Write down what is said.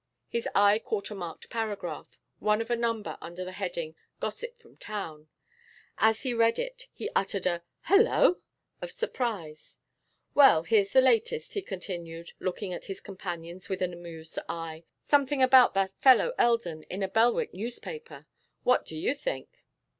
His eye caught a marked paragraph, one of a number under the heading 'Gossip from Town.' As he read it he uttered a 'Hullo!' of surprise. 'Well, here's the latest,' he continued, looking at his companions with an amused eye. 'Something about that fellow Eldon in a Belwick newspaper. What do you think?